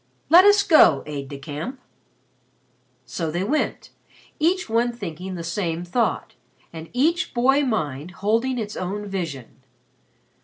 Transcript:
Let us go, Aide de camp." So they went, each one thinking the same thought, and each boy mind holding its own vision.